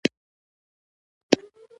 تر څو چې دې خپل هنر خلکو ته نه وي ښوولی.